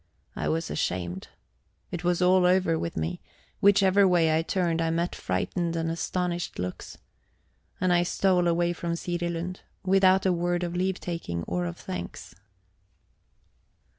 I was ashamed. It was all over with me; whichever way I turned, I met frightened and astonished looks. And I stole away from Sirilund, without a word of leave taking or of thanks.